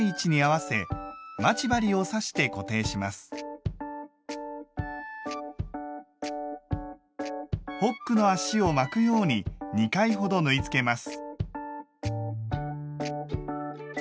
かぎ側をホックの足を巻くように２回ほど縫いつけます。